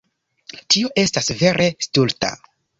Tio estas vere stulta.